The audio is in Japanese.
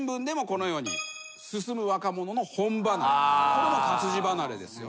これも活字離れですね。